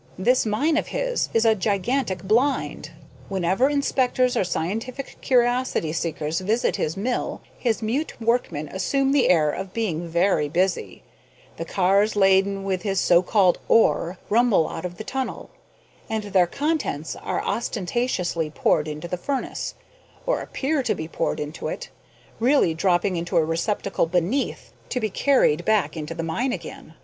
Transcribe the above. This mine of his is a gigantic blind. Whenever inspectors or scientific curiosity seekers visit his mill his mute workmen assume the air of being very busy, the cars laden with his so called 'ore' rumble out of the tunnel, and their contents are ostentatiously poured into the furnace, or appear to be poured into it, really dropping into a receptacle beneath, to be carried back into the mine again.